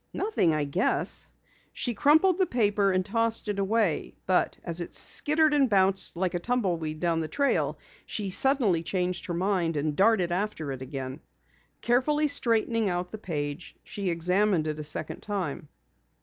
"Nothing, I guess." She crumpled the paper and tossed it away. But as it skittered and bounced like a tumble weed down the trail, she suddenly changed her mind and darted after it again. Carefully straightening out the page she examined it a second time.